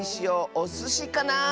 おすしか！